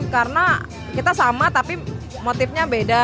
karena kita sama tapi motifnya beda